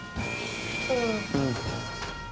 うん。